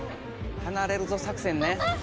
はなれるぞ作戦ね。